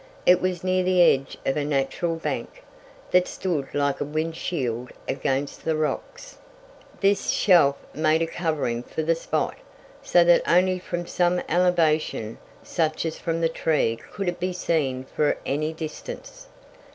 It was near the edge of a natural bank, that stood like a wind shield against the rocks. This shelf made a covering for the spot, so that only from some elevation such as from the tree could it be seen for any distance.